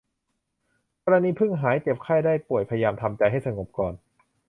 กรณีเพิ่งหายเจ็บไข้ได้ป่วยพยายามทำใจให้สงบก่อน